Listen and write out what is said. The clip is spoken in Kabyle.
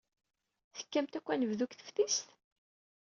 Tekkamt akk anebdu deg teftist?